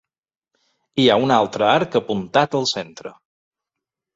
Hi ha un altre arc apuntat al centre.